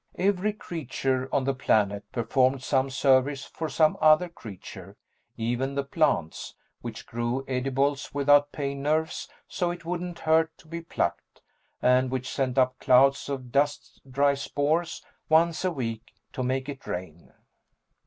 Every creature on the planet performed some service for some other creature even the plants, which grew edibles without pain nerves so it wouldn't hurt to be plucked, and which sent up clouds of dust dry spores once a week to make it rain.